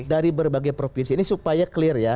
dari berbagai provinsi ini supaya clear ya